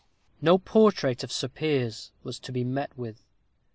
No portrait of Sir Piers was to be met with.